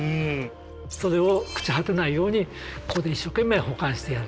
それを朽ち果てないようにここで一生懸命保管してやる。